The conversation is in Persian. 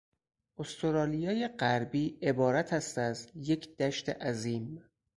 استرالیای غربی عبارت است از یک دشت عظیم